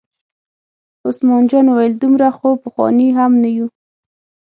عثمان جان وویل: دومره خو پخواني هم نه یو.